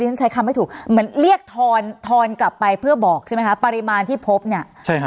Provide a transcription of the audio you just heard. ฉันใช้คำไม่ถูกเหมือนเรียกทอนทอนกลับไปเพื่อบอกใช่ไหมคะปริมาณที่พบเนี่ยใช่ฮะ